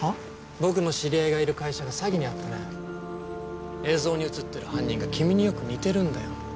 僕の知り合いがいる会社が詐欺に遭ってね映像に写ってる犯人が君によく似てるんだよ